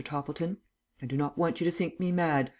Toppleton, I do not want you to think me mad.